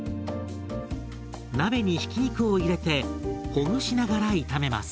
鍋にひき肉を入れてほぐしながら炒めます。